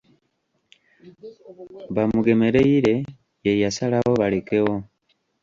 Bamugemereire ye yasalawo balekewo.